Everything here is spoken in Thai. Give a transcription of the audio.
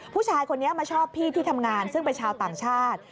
ผู้ชายคนนี้มาชอบพี่ที่ทำงานซึ่งเป็นชาวต่างชาติ